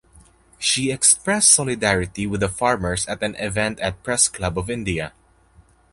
She expressed solidarity with the farmers at an event at Press Club of India.